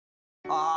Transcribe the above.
あ！